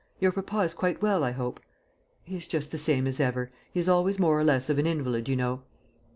Your papa is quite well, I hope?" "He is just the same as ever. He is always more or less of an invalid, you know."